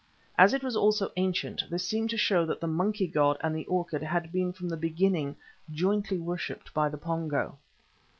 As it was also ancient, this seemed to show that the monkey god and the orchid had been from the beginning jointly worshipped by the Pongo.